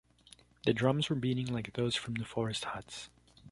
The drums were beating like those from the forest huts.